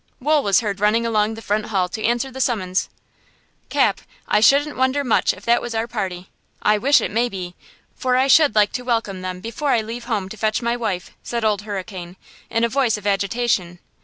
Wool was heard running along the front hall to answer the summons. "Cap, I shouldn't wonder much if that was our party. I wish it may be, for I should like to welcome them before I leave home to fetch my wife," said Old Hurricane, in a voice of agitation.